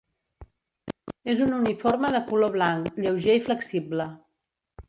És un uniforme de color blanc, lleuger i flexible.